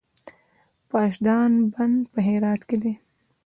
د پاشدان بند په هرات کې دی